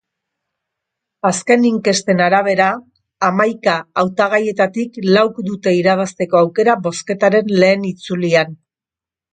Azken inkesten arabera, hamaika hautagaietatik lauk dute irabazteko aukera bozketaren lehen itzulian.